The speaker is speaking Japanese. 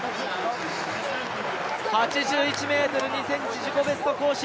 ８１ｍ２ｃｍ、自己ベスト更新。